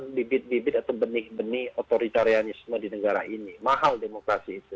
karena bibit bibit atau benih benih otoritarianisme di negara ini mahal demokrasi itu